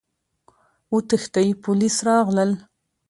وتښتئ! پوليس راغلل!